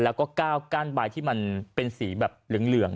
แล้วก็๙ก้านใบที่มันเป็นสีแบบเหลืองอะไรแบบนี้